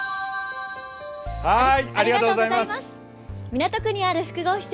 港区にある複合施設